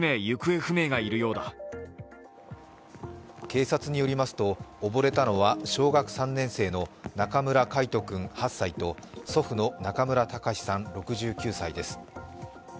警察によりますと溺れたのは小学３年生の中村櫂斗君８歳と祖父の中村隆さん６９歳です。